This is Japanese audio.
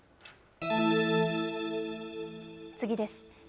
次です。